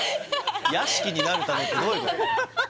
屋敷になるためってどういうこと？